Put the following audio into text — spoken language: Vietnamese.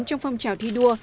trong phong trào thi đua